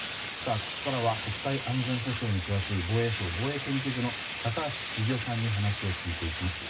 ここからは国際安全保障に詳しい防衛省防衛研究所の高橋杉雄さんに話を聞いていきます。